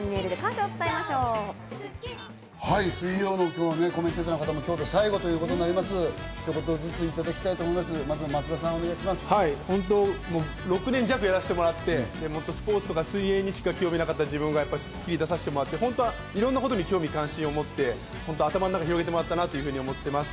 はい、水曜のコメンテーターの皆さんも今日で最後ということになります、ひと言ずついただきたいと思いま本当、６年弱やらせてもらってスポーツとか水泳にしか興味なかった自分が『スッキリ』出させてもらって、いろんなことに興味や関心を持って、頭の中を広げてもらったなと思ってます。